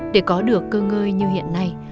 để có được cơ ngơi như hiện nay